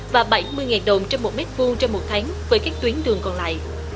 và bảy mươi đồng trong một m hai trong một tháng với các tuyến đường còn lại